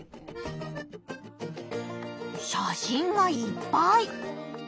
写真がいっぱい！